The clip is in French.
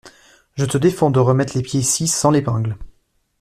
Je te défends de remettre les pieds ici sans l’épingle !